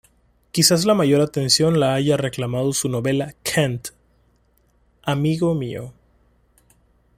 Quizás la mayor atención la haya reclamado su novela "Kant, amigo mío".